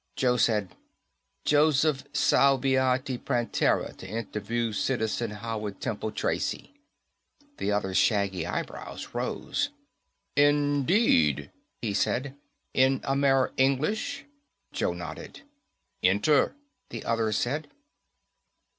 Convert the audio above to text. Joe said, "Joseph Salviati Prantera to interview Citizen Howard Temple Tracy." The other's shaggy eyebrows rose. "Indeed," he said. "In Amer English?" Joe nodded. "Enter," the other said.